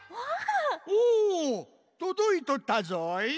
おおとどいとったぞい。